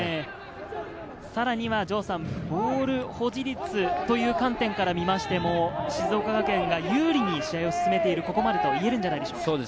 さらにはボール保持率という観点から見ましても、静岡学園が有利に試合を進めているここまでといえるんじゃないでしょうか。